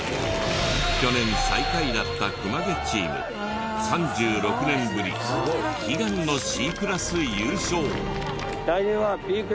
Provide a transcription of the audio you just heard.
去年最下位だった熊毛チーム３６年ぶり悲願のＣクラス優勝！